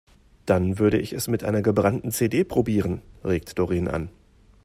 Dann würde ich es mit einer gebrannten CD probieren, regt Doreen an.